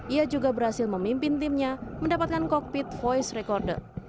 ia juga berhasil memimpin timnya mendapatkan kokpit voice recorder